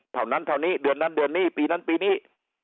เท่านั้นเท่านี้เดือนนั้นเดือนนี้ปีนั้นปีนี้